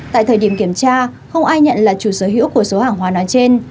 tại thời điểm kiểm tra không ai nhận là chủ sở hữu của số hàng hóa nói trên